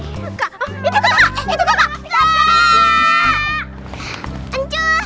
itu kakak itu kakak